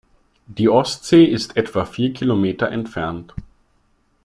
Die Ostsee ist etwa vier Kilometer entfernt.